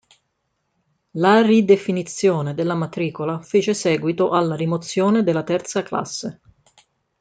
La ridefinizione della matricola fece seguito alla rimozione della terza classe.